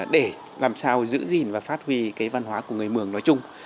để làm sao giữ gìn và phát huy cái văn hóa của người mường nói chung